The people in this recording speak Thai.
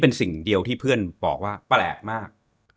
ก็คิดว่าแปลกมาก